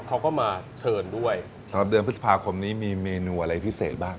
สำหรับเดือนพฤษภาคมนี้มีเมนูอะไรพิเศษบ้าง